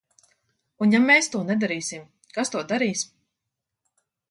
Un ja mēs to nedarīsim, kas to darīs?